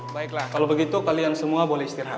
baiklah kalau begitu kalian semua boleh istirahat